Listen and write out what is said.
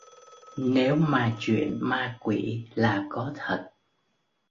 Nếu mà chuyện ma quỷ là có thật